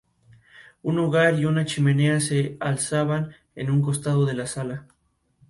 Además ejerce la función de entrenador de porteros.